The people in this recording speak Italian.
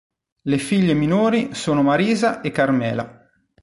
Le figlie minori sono Marisa e Carmela.